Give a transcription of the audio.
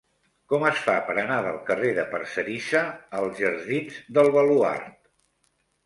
Com es fa per anar del carrer de Parcerisa als jardins del Baluard?